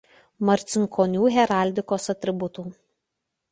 Marcinkonių heraldikos atributų.